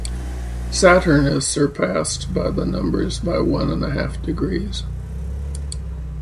Saturn is surpassed by the numbers by one and a half degrees.